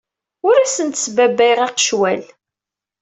Ur asent-sbabbayeɣ aqecwal.